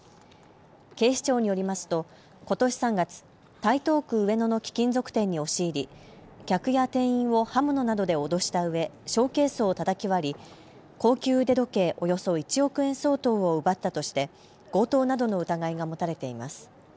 警視庁によりますとことし３月、台東区上野の貴金属店に押し入り客や店員を刃物などで脅したうえショーケースをたたき割り高級腕時計およそ１億円相当を奪ったとして強盗などの疑いが持たれています。